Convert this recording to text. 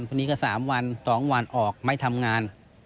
พอดีก็๓วัน๒วันออกไม่ทำงาน